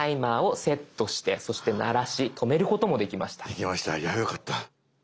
できましたいやよかった。